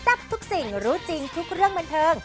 ทับทุกสิ่งรู้จริงทุกเรื่องบันเทิง